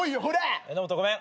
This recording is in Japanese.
榎本ごめん。